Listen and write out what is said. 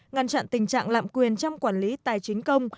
ngăn chặn tình trạng lạm quyền trong quản lý tài chính công